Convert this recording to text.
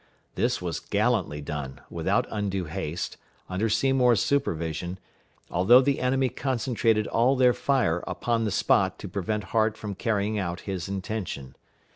This was gallantly done, without undue haste, under Seymour's supervision, although the enemy concentrated all their fire upon the spot to prevent Hart from carrying out his intention.